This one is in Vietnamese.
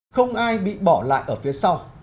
không ai bị bỏ lại ở phía sau